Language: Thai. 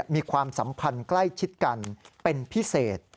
มีความสัมพันธ์ใกล้ชิดกันเป็นพิเศษ